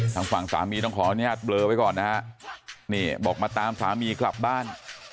ทางฝั่งสามีต้องขออนุญาตเบลอไว้ก่อนนะฮะนี่บอกมาตามสามีกลับบ้าน